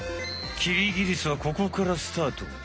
キリギリスはここからスタート。